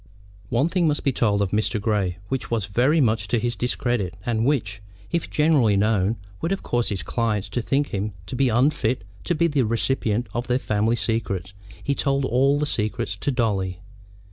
One thing must be told of Mr. Grey which was very much to his discredit, and which, if generally known, would have caused his clients to think him to be unfit to be the recipient of their family secrets; he told all the secrets to Dolly.